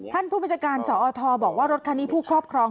ท่านผู้บัญชาการสอทบอกว่ารถคันนี้ผู้ครอบครอง